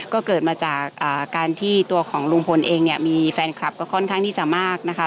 ก็เกิดมาจากการที่ตัวของลุงพลเองเนี่ยมีแฟนคลับก็ค่อนข้างที่จะมากนะคะ